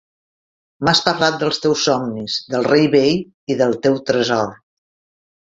M'has parlat dels teus somnis, del rei vell y del teu tresor.